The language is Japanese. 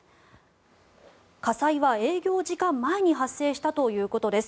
火災は営業時間前に発生したということです。